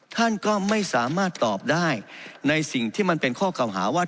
ท่านก็ไม่สามารถตอบได้ในสิ่งที่มันเป็นข้อเก่าหาว่า